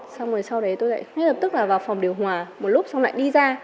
xong rồi sau đấy tôi lại ngay lập tức là vào phòng điều hòa một lúc xong lại đi ra